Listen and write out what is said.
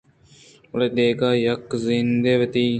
بلے دگہ یکّے زِندءَوتی